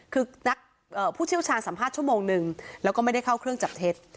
คือนักผู้เชี่ยวชาญสัมภาษณ์ชั่วโมงนึงแล้วก็ไม่ได้เข้าเครื่องจับเท็จ